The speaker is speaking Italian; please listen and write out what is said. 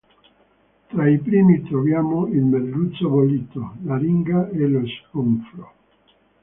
Tra i primi troviamo il merluzzo bollito, l'aringa e lo sgombro.